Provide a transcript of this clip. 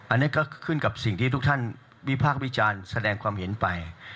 อันนี้ก็ขึ้นกับสิ่งที่ทุกท่านวิพากษ์วิจารณ์แสดงความเห็นไป